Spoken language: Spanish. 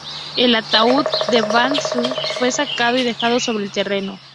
El ataúd de Van Zant fue sacado y dejado sobre el terreno.